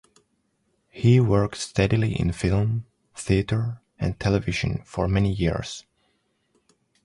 He worked steadily in film, theatre and television for many years.